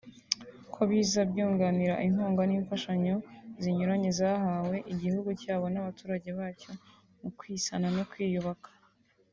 ko biza byunganira inkunga n’infashanyo zinyuranye zahawe igihugu cyabo n’abaturage bacyo mu kwisana no kwiyubaka